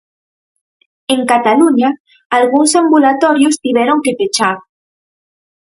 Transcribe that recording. En Cataluña, algúns ambulatorios tiveron que pechar.